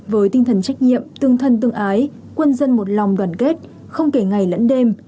với tinh thần trách nhiệm tương thân tương ái quân dân một lòng đoàn kết không kể ngày lẫn đêm